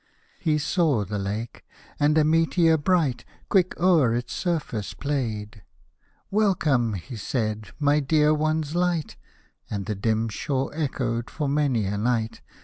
" He saw the Lake, and a meteor bright Quick over its surface played — "Welcome," he said, "my dear one's light !" And the dim shore echoed, for many a night.